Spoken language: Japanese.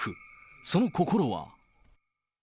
その心は。